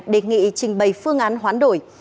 đề nghị trình bày phương án hoán đổi